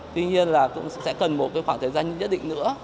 tuy nhiên là cũng sẽ cần một khoảng thời gian nhất định nữa